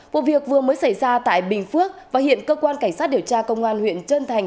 vụ việc vừa mới xảy ra tại bình phước và hiện cơ quan cảnh sát điều tra công an huyện trân thành